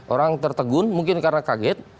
orang tertegun mungkin karena kaget